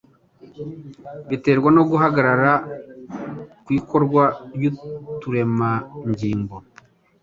biterwa no guhagarara kw'ikorwa ry'uturemangingo.